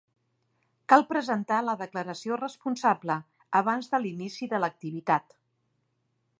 Cal presentar la declaració responsable abans de l'inici de l'activitat.